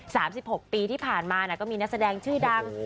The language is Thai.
สามสิบหกปีที่ผ่านมานะก็มีนักแสดงชื่อดังโอ้โห